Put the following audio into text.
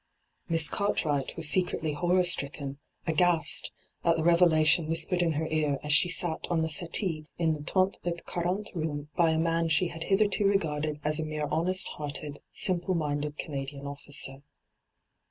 Miss Cartwright was secretly horror stricken, aghast, at the revelation whispered in her ear as she sat on the settee in the trente et quarante room by a man she had hitherto regarded as a mere honest hearted, simple minded Canadian officer.